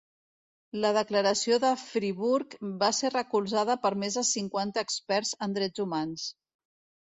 La Declaració de Friburg va ser recolzada per més de cinquanta experts en drets humans.